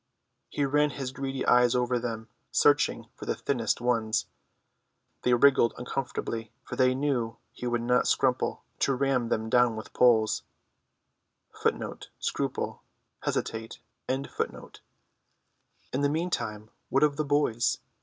He ran his greedy eyes over them, searching for the thinnest ones. They wriggled uncomfortably, for they knew he would not scruple to ram them down with poles. In the meantime, what of the boys?